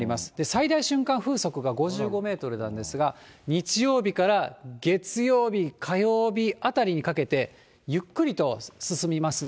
最大瞬間風速が５５メートルなんですが、日曜日から月曜日、火曜日あたりにかけて、ゆっくりと進みます。